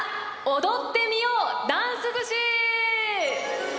「踊ってみようダンス寿司」！